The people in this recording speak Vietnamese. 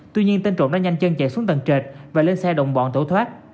tuy nhiên tên trộm đã nhanh chân chạy xuống tầng trệt và lên xe đồng bọn tổ thoát